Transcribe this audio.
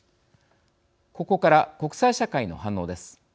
ここから国際社会の反応です。